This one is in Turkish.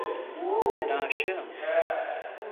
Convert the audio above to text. Ben aşığım.